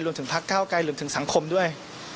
รวมถึงพระก้าวไกลรวมถึงสังคมด้วย